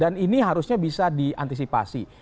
dan ini harusnya bisa diantisipasi